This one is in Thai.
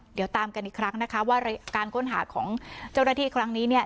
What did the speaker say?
เดี๋ยวตามกันอีกครั้งนะคะว่าการค้นหาของเจ้าหน้าที่ครั้งนี้เนี่ย